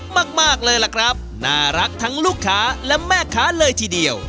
มากมากเลยล่ะครับน่ารักทั้งลูกค้าและแม่ค้าเลยทีเดียว